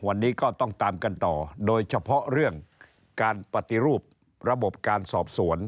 วันนี้ก็ต้องตามกันต่อโดยเฉพาะเรื่องการปฏิรูประบบการสอบสวน